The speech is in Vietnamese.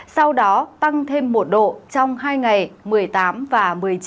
sau đó tăng thêm một độ trong hai ngày một mươi tám và một mươi chín